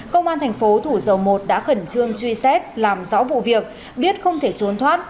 công an thành phố thủ dầu một đã khẩn trương truy xét làm rõ vụ việc biết không thể trốn thoát